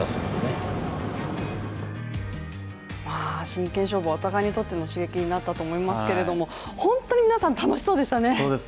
真剣勝負、お互いにとっての刺激になったと思いますけど本当に皆さん楽しそうでしたね。